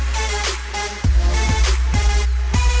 jangan kayak gitu dulu